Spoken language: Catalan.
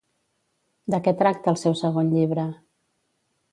De què tracta el seu segon llibre?